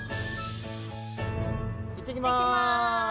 行ってきます！